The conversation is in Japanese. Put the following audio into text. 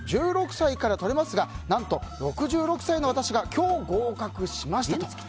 １６歳からとれますが何と、６６歳の私が今日合格しましたと。